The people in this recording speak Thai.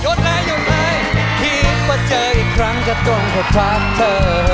โยนไหลโยนไหลคิดว่าเจออีกครั้งก็ต้องเข้าทักเธอ